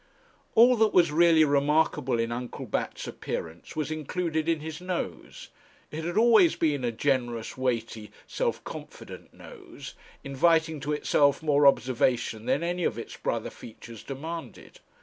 All that was really remarkable in Uncle Bat's appearance was included in his nose. It had always been a generous, weighty, self confident nose, inviting to itself more observation than any of its brother features demanded.